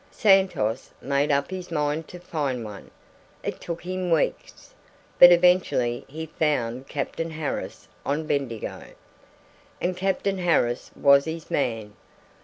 Santos made up his mind to find one. It took him weeks, but eventually he found Captain Harris on Bendigo, and Captain Harris was his man.